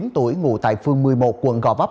ba mươi chín tuổi ngủ tại phương một mươi một quận gò vấp